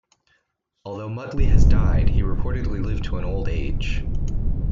Although Muttley has died, he reportedly lived to an old age.